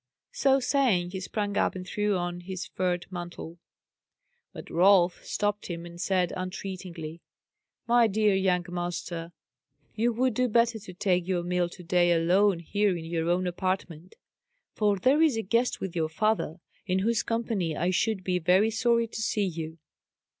So saying, he sprang up and threw on his furred mantle. But Rolf stopped him, and said, entreatingly: "My dear young master, you would do better to take your meal to day alone here in your own apartment; for there is a guest with your father, in whose company I should be very sorry to see you.